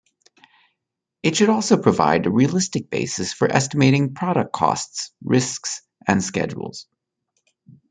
It should also provide a realistic basis for estimating product costs, risks, and schedules.